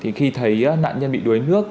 thì khi thấy nạn nhân bị đuối nước